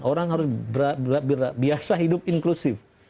orang harus biasa hidup inklusif